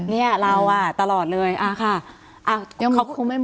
เนี่ยเราอะตลอดเลยเอ้าค่ะ